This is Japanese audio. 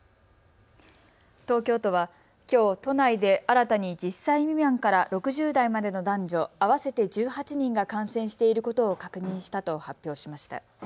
東京都はきょう都内で新たに１０歳未満から６０代までの男女合わせて１８人が感染していることを確認したと発表しました。